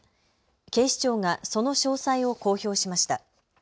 警視庁がその詳細を公表しました。